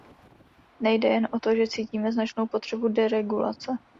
Nejde jen o to, že cítíme značnou potřebu deregulace.